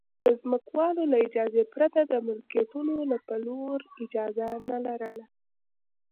د ځمکوالو له اجازې پرته د ملکیتونو د پلور اجازه نه لرله